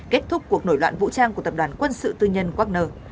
kết thúc cuộc nổi loạn vũ trang của tập đoàn quân sự tư nhân wagner